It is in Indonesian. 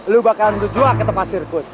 lu bakalan berjual ke tempat sirkus